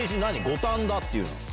五反田っていうのは。